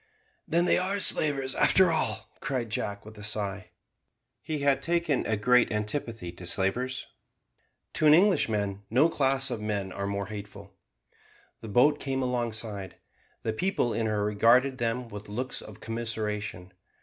"Then they are slavers, after all," cried Jack, with a sigh. He had taken a great antipathy to slavers. To an Englishman no class of men are more hateful. The boat came alongside. The people in her regarded them with looks of commiseration.